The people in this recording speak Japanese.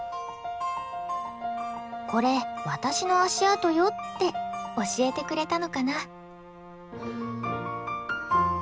「これ私の足跡よ」って教えてくれたのかな？